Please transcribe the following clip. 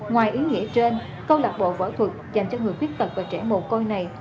ngoài ý nghĩa trên câu lạc bộ võ thuật dành cho người quyết tật và trẻ mùa côi này